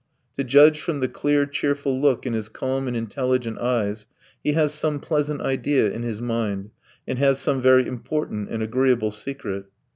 To judge from the clear, cheerful look in his calm and intelligent eyes, he has some pleasant idea in his mind, and has some very important and agreeable secret.